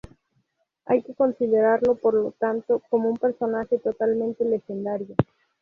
Hay que considerarlo, por lo tanto, como un personaje totalmente legendario.